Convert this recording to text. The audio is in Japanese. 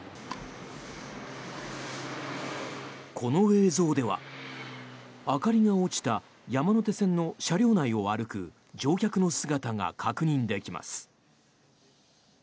この映像では、明かりが落ちた山手線の車両内を歩く乗客の姿が確認できます。